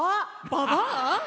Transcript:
ババア？